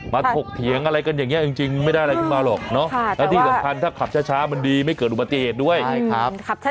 มาทกเถียงอะไรกันอย่างนี้จริงไม่ได้อะไรกินมาหรอก